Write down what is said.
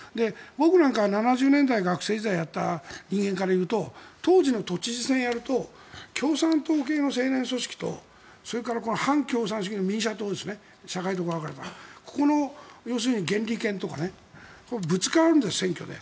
僕なんかは７０年代に学生時代をやった人間からすると当時の都知事選をやると共産党系の青年組織とそれから反共産主義の民社党ここの要するに原理研とかぶつかるんです、選挙で。